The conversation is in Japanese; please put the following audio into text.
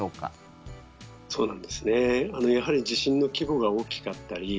やはり地震の規模が大きかったり